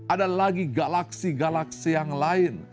ada lagi galaksi galaksi yang lain